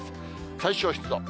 最小湿度。